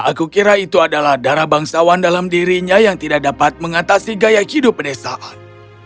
aku kira itu adalah darah bangsawan dalam dirinya yang tidak dapat mengatasi gaya hidup pedesaan